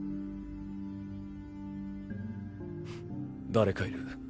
⁉誰かいる。